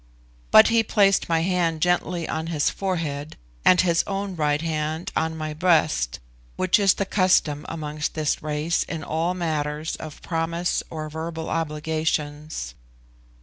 But he placed my hand gently on his forehead and his own right hand on my breast, which is the custom amongst this race in all matters of promise or verbal obligations.